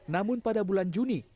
namun pada bulan juni